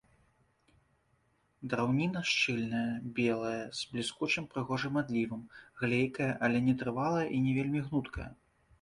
Драўніна шчыльная, белая, з бліскучым прыгожым адлівам, глейкая, але нетрывалая і не вельмі гнуткая.